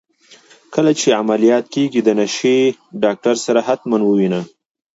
کله چي عمليات کيږې د نشې ډاکتر سره حتما ووينه.